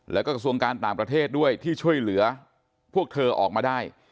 แล้วก็กระทรวงการต่างประเทศด้วยที่ช่วยเหลือพวกเธอออกมาได้